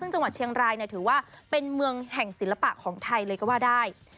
ซึ่งจังหวัดเชียงรายถือว่าเป็นเมืองแห่งศิลปะของไทยเลยก็ว่าได้